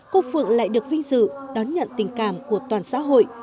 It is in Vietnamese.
cô phượng lại được vinh dự đón nhận tình cảm của toàn xã hội